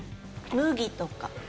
麦とか。